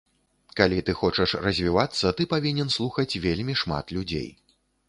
Калі ты хочаш развівацца, ты павінен слухаць вельмі шмат людзей.